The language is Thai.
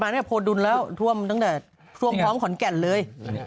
โยยอีทพูดดุลแล้วท่วมตั้งแต่ท่วมพร้องขนแก่นเลย